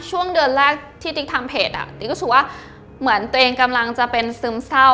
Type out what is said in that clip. ช่วงเดือนแรกที่ติ๊กทำเพจอ่ะติ๊กรู้สึกว่าเหมือนตัวเองกำลังจะเป็นซึมเศร้า